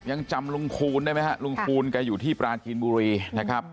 ยังจำลุงคูณได้ไหมฮะลุงคูณแกอยู่ที่ปราจีนบุรีนะครับ